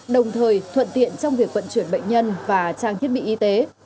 đồng thời thuận tiện trong việc vận chuyển bệnh nhân và trang thiết bị y tế